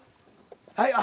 はい。